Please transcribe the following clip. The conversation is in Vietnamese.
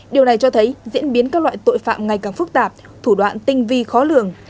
điều này cho thấy diễn biến các loại tội phạm ngày càng phức tạp thủ đoạn tinh vi khó lường